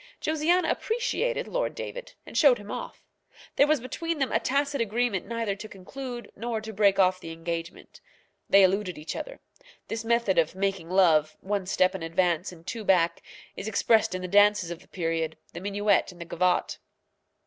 Josiana appreciated Lord David, and showed him off. There was between them a tacit agreement neither to conclude nor to break off the engagement. They eluded each other. This method of making love, one step in advance and two back, is expressed in the dances of the period, the minuet and the gavotte.